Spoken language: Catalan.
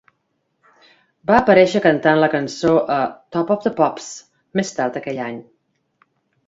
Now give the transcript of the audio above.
Va aparèixer cantant la cançó a "Top of The Pops" més tard aquell any.